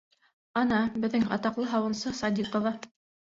— Ана, беҙҙең атаҡлы һауынсы Садиҡова...